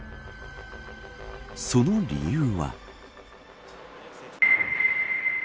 その理由は。